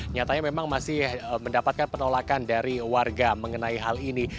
nyatanya memang masih mendapatkan penolakan dari warga mengenai hal ini